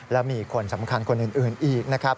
และมีคนสำคัญคนอื่นอีกนะครับ